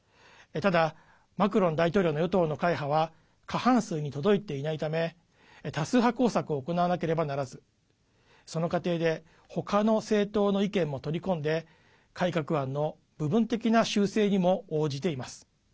ただ、マクロン大統領の与党の会派は過半数に届いていないため多数派工作を行わなければならずその過程で他の政党の意見も取り込んで改革案の部分的な修正にも応じています。